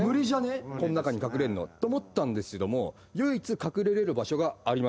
こん中に隠れんのと思ったんですけども唯一隠れれる場所がありました。